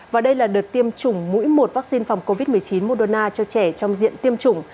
và đây là đợt tiêm chủng mũi một vaccine phòng covid một mươi chín moderna cho trẻ trong diện tiêm chủng